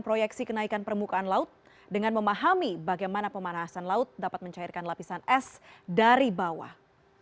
proyeksi kenaikan permukaan laut dengan memahami bagaimana pemanasan laut dapat mencairkan lapisan es dari bawah